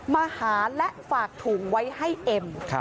มาหาและฝากถุงไว้ให้เอ็ม